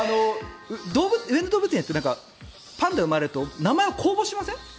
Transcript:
上野動物園ってパンダが生まれると名前を公募しません？